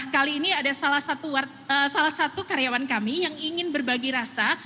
kali ini ada salah satu karyawan kami yang ingin berbagi rasa